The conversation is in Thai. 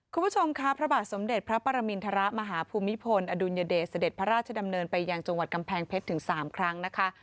คุณผู้ชมค่ะพระบาทสมเด็จพระปรมินทรมาฮภูมิพลอดุลยเดชเสด็จพระราชดำเนินไปยังจังหวัดกำแพงเพชรถึง๓ครั้งนะคะ